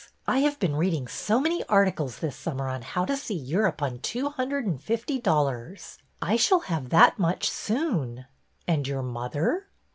I have been reading so many articles this summer on how to see Europe on two hundred and fifty dol lars. I shall have that much soon." " And your mother